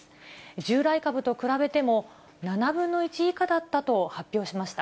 従来株と比べても７分の１以下だったと発表しました。